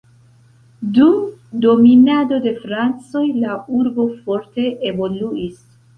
Dum dominado de francoj la urbo forte evoluis.